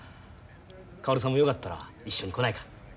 かおるさんもよかったら一緒に来ないか？